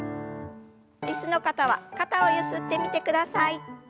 椅子の方は肩をゆすってみてください。